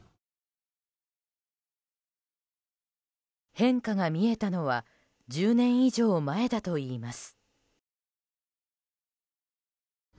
変化が見えたのは１０年以上前だといいます。